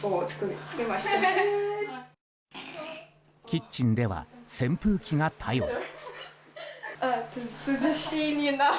キッチンでは扇風機が頼り。